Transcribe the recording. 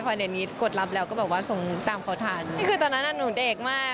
พอเดี๋ยวนี้กดรับแล้วก็บอกว่าส่งตามเขาทันนี่คือตอนนั้นอ่ะหนูเด็กมาก